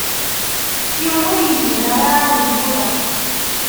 Yiwen ur izmir ad ɣ-iɛawen tura.